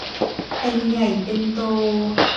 เป็นใหญ่เป็นโต